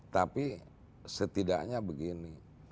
tapi setidaknya begini